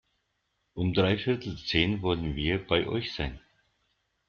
Um dreiviertel zehn wollen wir bei euch sein.